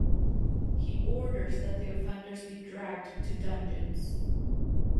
He orders that the offenders be dragged to dungeons.